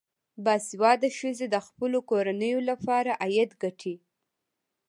باسواده ښځې د خپلو کورنیو لپاره عاید ګټي.